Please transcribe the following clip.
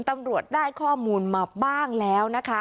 ตำรวจได้ข้อมูลมาบ้างแล้วนะคะ